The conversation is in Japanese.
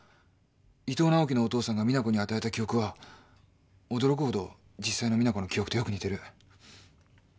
伊藤直季のお父さんが実那子に与えた記憶は驚くほど実際の実那子の記憶とよく似てる。